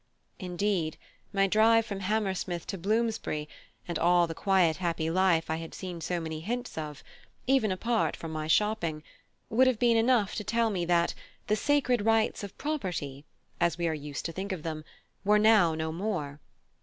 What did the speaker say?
Indeed, my drive from Hammersmith to Bloomsbury, and all the quiet happy life I had seen so many hints of; even apart from my shopping, would have been enough to tell me that "the sacred rights of property," as we used to think of them, were now no more.